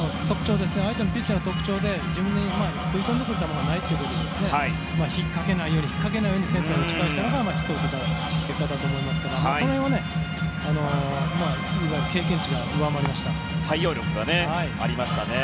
相手のピッチャーの特徴で自分に食い込んでくる球がないっていうことで引っかけないようにセンターに打ち返したのがヒットを打てた結果だと思いますがその辺は、いわゆる経験値が上回りましたね。